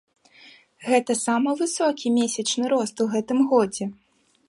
Гэта самы высокі месячны рост гэтым годзе.